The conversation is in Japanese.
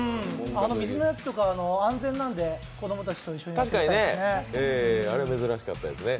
あの水のやつとか安全なんで子供たちとやりたいですね。